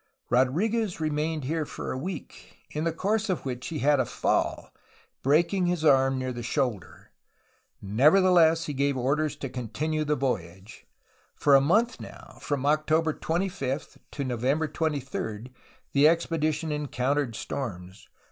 Rodriguez remained here for a week, in course of which he had a fall, breaking his arm near the shoulder. Nevertheless, he gave orders to continue the voyage. For a month now, from October 25 to November 23, the expedition encountered storms.